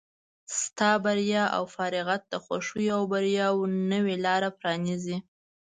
ستا بریا او فارغت د خوښیو او بریاوو نوې لاره پرانیزي.